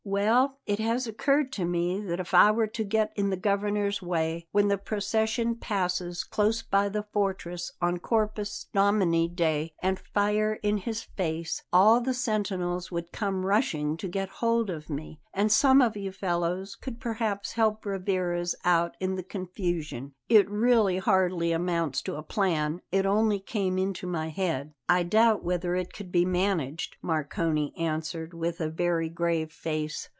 "Well, it has occurred to me that if I were to get in the Governor's way when the procession passes close by the fortress on Corpus Domini day and fire in his face, all the sentinels would come rushing to get hold of me, and some of you fellows could perhaps help Rivarez out in the confusion. It really hardly amounts to a plan; it only came into my head." "I doubt whether it could be managed," Marcone answered with a very grave face.